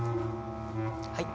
はい。